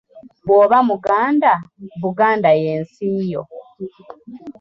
"Bw’oba muganda, Buganda y’ensi yo."